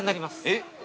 ◆えっ？